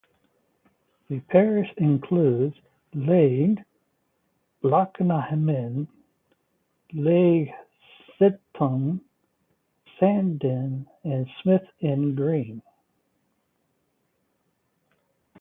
The parish includes Leigh, Brockamin, Leigh Sinton, Sandlin and Smith End Green.